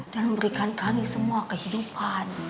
dan memberikan kami semua kehidupan